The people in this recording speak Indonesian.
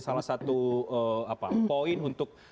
salah satu poin untuk